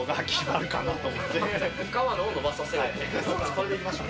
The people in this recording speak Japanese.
それでいきましょう。